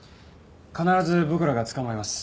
必ず僕らが捕まえます。